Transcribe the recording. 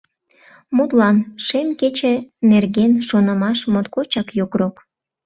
Мутлан, шем кече нерген шонымаш моткочак йокрок.